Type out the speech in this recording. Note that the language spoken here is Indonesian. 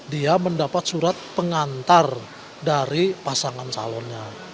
dia mendapat surat pengantar dari pasangan calonnya